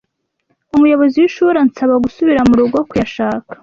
umuyobozi w’ishuri ansaba gusubira mu rugo kuyashaka,